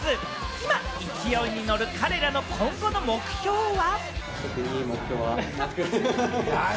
今、いきおいに乗る彼らの今後の目標は？